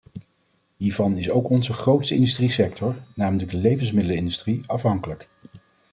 Hiervan is ook onze grootste industriesector, namelijk de levensmiddelenindustrie, afhankelijk.